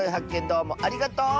どうもありがとう！